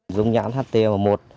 dùng nhãn htl một